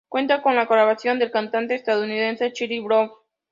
Cuenta con la colaboración del cantante estadounidense Chris Brown.